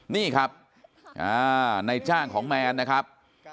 นี่ครับในจ้างของแมนนะครับ